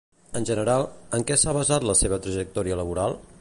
En general, en què s'ha basat la seva trajectòria laboral?